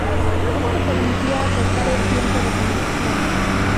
Esto permitía acortar el tiempo de conexión.